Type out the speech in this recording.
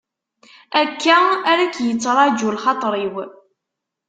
Akka ara k-yettraǧu lxaṭer-iw.